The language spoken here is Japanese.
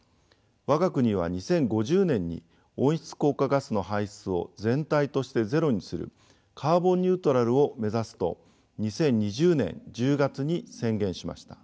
我が国は２０５０年に温室効果ガスの排出を全体としてゼロにするカーボンニュートラルを目指すと２０２０年１０月に宣言しました。